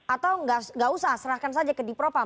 atau tidak usah serahkan saja di propam